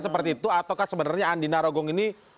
seperti itu ataukah sebenarnya andi narogong ini